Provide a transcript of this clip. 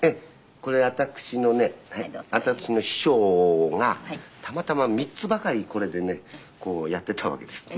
これ私のね私の師匠がたまたま３つばかりこれでねこうやっていたわけですね。